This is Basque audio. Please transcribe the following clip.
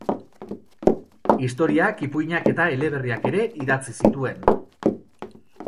Historiak, ipuinak eta eleberriak ere idatzi zituen.